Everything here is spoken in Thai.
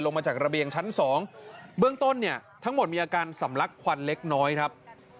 มาจากระเบียงชั้น๒เบื้องต้นเนี่ยทั้งหมดมีอาการสำลักควันเล็กน้อยครับ